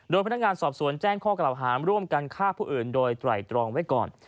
พนักงานสอบสวนแจ้งข้อกล่าวหามร่วมกันฆ่าผู้อื่นโดยไตรตรองไว้ก่อน